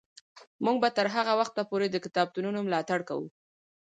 موږ به تر هغه وخته پورې د کتابتونونو ملاتړ کوو.